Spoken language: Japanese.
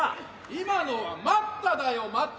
今のは「待った」だよ「待った」。